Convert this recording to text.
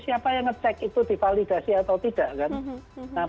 siapa yang ngecek itu divalidasi atau tidak kan